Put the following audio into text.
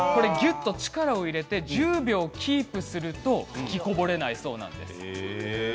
手に力を入れて１０秒キープすると吹きこぼれないということなんです。